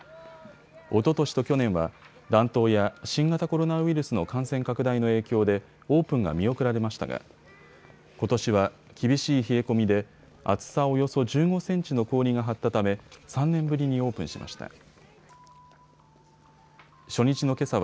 おととしと去年は暖冬や新型コロナウイルスの感染拡大の影響でオープンが見送られましたがことしは厳しい冷え込みで厚さおよそ１５センチの氷が張ったため３年ぶりにオープンしました。